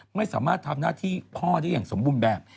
ไม่สามารถทำหน้าที่พ่อได้อย่างสมบูรณ์แบบ